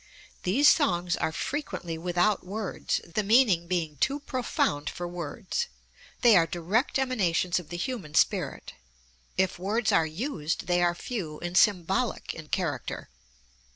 These songs are frequently without words, the meaning being too profound for words; they are direct emanations of the human spirit. If words are used, they are few and symbolic in character.